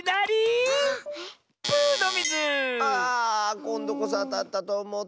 こんどこそあたったとおもったッス。